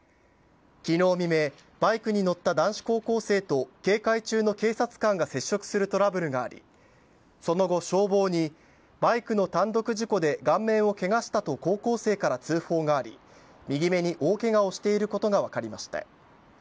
昨日未明バイクに乗った男子高校生と警戒中の警察官が接触するトラブルがありその後消防にバイクの単独事故で顔面をケガしたと高校生から通報があり右目に大ケガをしていることが分かりました。